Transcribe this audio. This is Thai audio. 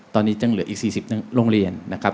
ตอนนี้ยังเหลืออีก๔๐โรงเรียนนะครับ